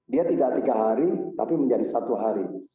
dia tidak tiga hari tapi menjadi satu hari